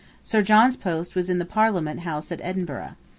Sir John's post was in the Parliament House at Edinburgh.